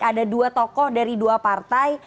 ada dua tokoh dari dua partai